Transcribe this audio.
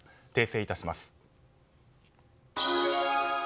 訂正いたします。